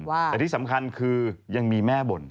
แต่ที่สำคัญคือยังมีแม่บ่น